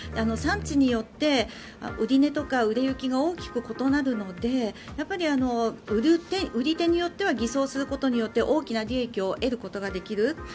産地によって売値とか売れ行きが大きく異なるので売り手によっては偽装することによって大きな利益を得ることができる。